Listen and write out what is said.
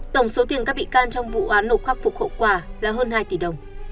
tổng số tiền các bị can trong vụ án nộp khắc phục hậu quả là hơn hai tỷ đồng